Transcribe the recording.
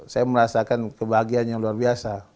saya merasakan kebahagiaan yang luar biasa